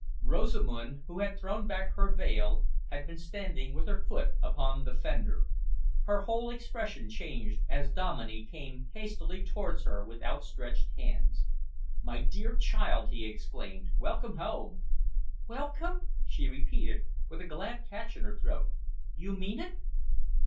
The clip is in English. Rosamund, who had thrown back her veil, had been standing with her foot upon the fender. Her whole expression changed as Dominey came hastily towards her with outstretched hands. "My dear child," he exclaimed, "welcome home!" "Welcome?" she repeated, with a glad catch in her throat. "You mean it?"